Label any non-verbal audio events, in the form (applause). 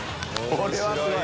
これはすごい (laughs)